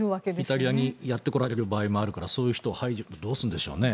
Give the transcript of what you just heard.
イタリアにやって来られる場合もあるからそういう人を排除してどうするんでしょうね